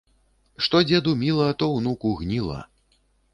Што дзеду міла, то ўнуку гніла